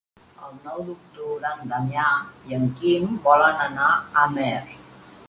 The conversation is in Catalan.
El nou d'octubre en Damià i en Quim volen anar a Amer.